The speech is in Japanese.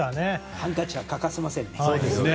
ハンカチが欠かせませんね。